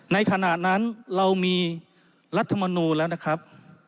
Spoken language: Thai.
ขณะนั้นเรามีรัฐมนูลแล้วนะครับ